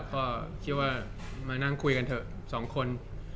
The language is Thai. ก็คิดว่ามานั่งคุยกันเถอะสองคน